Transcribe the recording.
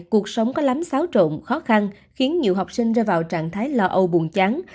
cuộc sống có lắm xáo trộn khó khăn khiến nhiều học sinh ra vào trạng thái lo âu buồn trắng